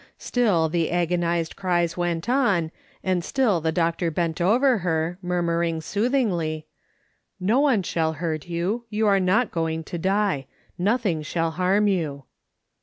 Still the agonised cries went on, and still the doctor bent over her, murmuring soothingly :" No one shall hurt you ; you are not going to die. Nothing shall harm you."